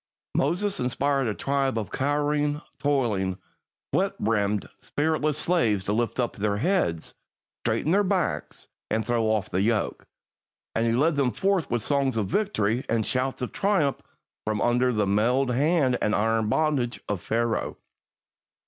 Moses inspired a tribe of cowering, toiling, sweat begrimed, spiritless slaves to lift up their heads, straighten their backs, and throw off the yoke; and he led them forth with songs of victory and shouts of triumph from under the mailed hand and iron bondage of Pharaoh.